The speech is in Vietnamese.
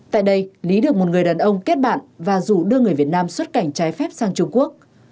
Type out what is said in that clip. tại đây lý được một người đàn ông kết bạn và rủ đưa người việt nam xuất cảnh trái phép sang trung quốc